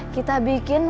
sudah bagus aurel